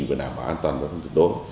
và đảm bảo an toàn giao thông thực đối